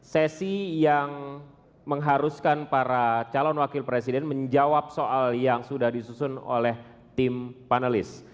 sesi yang mengharuskan para calon wakil presiden menjawab soal yang sudah disusun oleh tim panelis